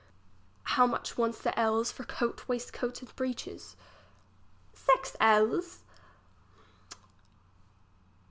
How much wants the ells for coat, waist coat, and breeches ? Six ells.